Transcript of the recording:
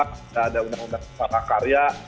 tidak ada undang undang karya